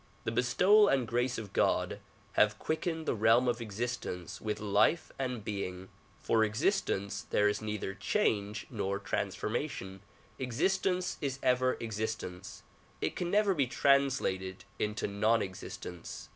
The bestowal and grace of God have quickened the realm of existence with life and being. For existence there is neither change nor transformation ; existence is ever existence ; it can never be translated into non existence.